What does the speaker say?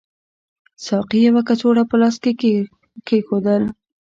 ساقي یوه کڅوړه په لاس کې راکېښودل.